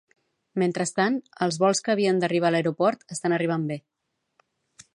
Mentrestant, els vols que havien d'arribar a l'Aeroport estan arribant bé.